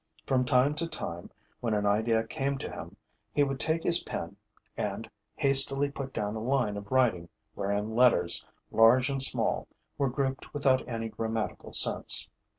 From time to time, when an idea came to him, he would take his pen and hastily put down a line of writing wherein letters, large and small, were grouped without any grammatical sense.